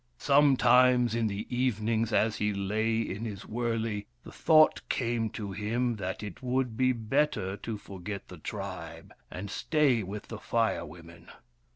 Sometimes in the evenings, as he lay in his wurley, the thought came to him that it would be better to forget the tribe and stay with the Fire Women.